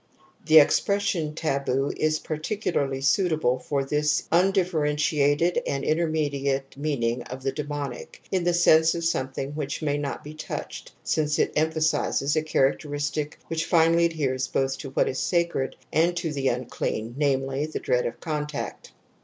(^ The expression taboo is particularly suitable for this undifferentiated and intermediate meaning of the demonic, in the sense of some thing which may not be touched, since it empha sizes a characteristic which finally adheres both to what is sacred and to the unclean, namely, the dread of contact.